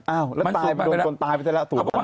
อ้าวแล้วตายไปแล้วโดนตายไปได้แล้วถูกพันธุ์